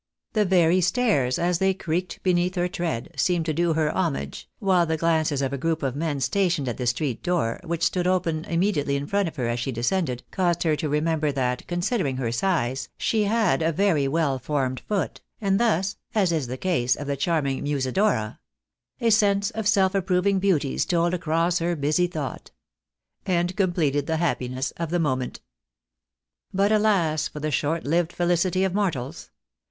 The very stairs, as they creaked beneath her tread, seemed to do her homage, while the glances of a group of men stationed at the street door, which stood open immediately in front of her as she descended, caused her to remember that, considering her size, she had a very weU formed foot, and thus, as is the case of the charming Musi dora — A sense Of self approving beauty stole across Her busy thought — and completed the happiness of the moment. But, alas for the short lived felicity of mortals